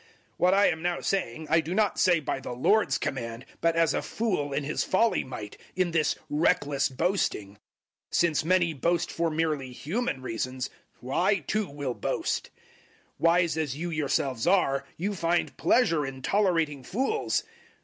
011:017 What I am now saying, I do not say by the Lord's command, but as a fool in his folly might, in this reckless boasting. 011:018 Since many boast for merely human reasons, I too will boast. 011:019 Wise as you yourselves are, you find pleasure in tolerating fools.